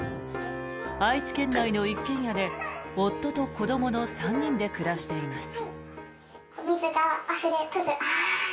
愛知県内の一軒家で夫と子どもの３人で暮らしています。